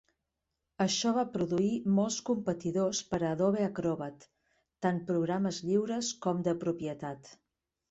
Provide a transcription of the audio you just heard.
Això va produir molts competidors per a Adobe Acrobat, tant programes lliures com de propietat.